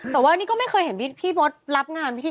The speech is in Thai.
แต่ว่านี่ก็ไม่เคยเห็นพี่มดรับงานพิธี